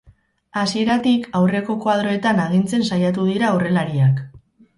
Hasieratik aurreko koadroetan agintzen saiatu dira aurrelariak.